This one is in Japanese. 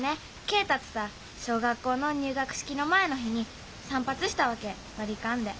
恵達さ小学校の入学式の前の日に散髪したわけバリカンで。